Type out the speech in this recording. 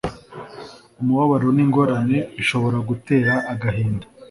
umubabaro n'ingorane bishobora gutera agahinda